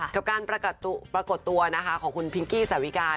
กับการปรากฏตัวนะคะของคุณพิงกี้สาวิกา